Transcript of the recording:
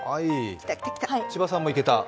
千葉さんもいけた？